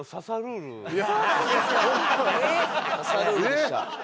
『刺さルール！』でした。